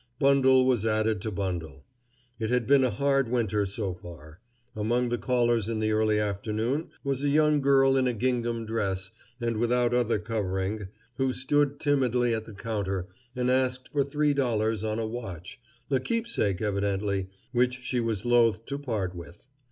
Bundle was added to bundle. It had been a hard winter so far. Among the callers in the early afternoon was a young girl in a gingham dress and without other covering, who stood timidly at the counter and asked for three dollars on a watch, a keepsake evidently, which she was loath to part with.